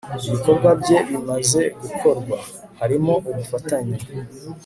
ibikorwa bye bimaze gukorwa, harimo ubufatanye